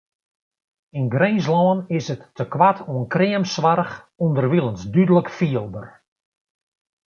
Yn Grinslân is it tekoart oan kreamsoarch ûnderwilens dúdlik fielber.